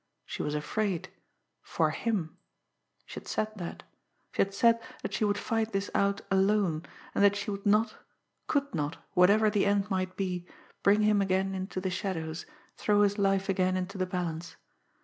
She was afraid for him. She had said that. She had said that she would fight this out alone, that she would not, could not, whatever the end might be, bring him again into the shadows, throw his life again into the balance.